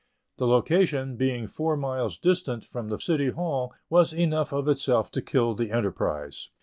The location, being four miles distant from the City Hall, was enough of itself to kill the enterprise.